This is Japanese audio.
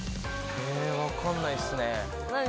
分かんないっすね。